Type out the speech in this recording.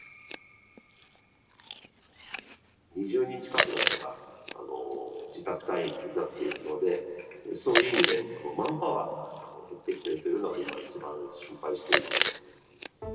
２０人近くの人が自宅待機になっているので、そういう意味でマンパワーが減ってきているというのが今、一番心配しています。